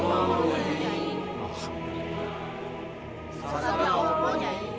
tidak ada apa apa